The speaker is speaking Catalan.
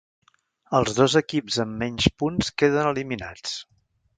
Els dos equips amb menys punts queden eliminats.